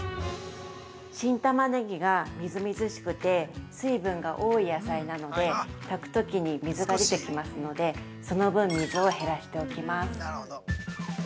◆新タマネギが、みずみずしくて水分が多い野菜なので炊くときに水が出てきますのでその分、水を減らしておきます。